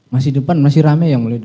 masih depan masih rame ya